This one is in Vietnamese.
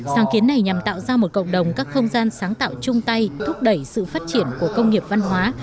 sáng kiến này nhằm tạo ra một cộng đồng các không gian sáng tạo chung tay thúc đẩy sự phát triển của công nghiệp văn hóa